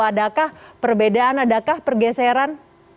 adakah perbedaan adakah pergeseran